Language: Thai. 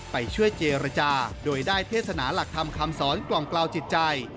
ไปช่วยเจรจาโดยได้เทศนาหลักธรรมคำสอนกล่องกล่าวจิตใจ